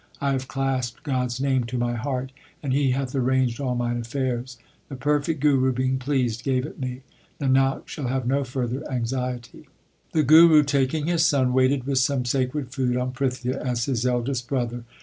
1 have clasped God s name to my heart, And He hath arranged all mine affairs. The perfect Guru being pleased gave it me. Nanak shall have no further anxiety. 1 The Guru, taking his son, waited with some sacred food on Prithia, as his eldest brother.